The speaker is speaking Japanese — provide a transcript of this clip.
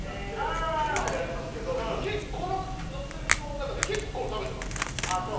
今もやりますけど載っている表の中で結構食べてますもん。